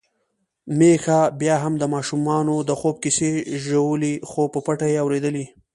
میښه بيا هم د ماشومانو د خوب کیسې ژولي، خو په پټه يې اوريدلې.